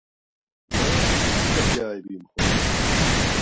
Ma mtsika gyari bimxor.